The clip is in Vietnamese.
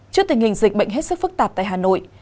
trước tình hình dịch bệnh hết sức phức tạp tại hà nội